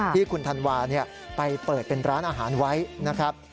ที่คุณธันวาไปเปิดเป็นร้านอาหารไว้นะครับ